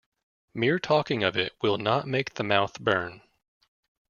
Mere talking of it will not make the mouth burn.